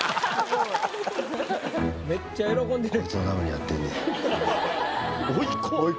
めっちゃ喜んでる。